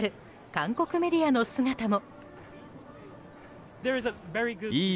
韓国メディアの姿も。